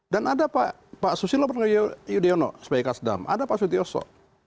dan ada pak susilo pernyewudiano sebagai khas dam ada pak sutiyoso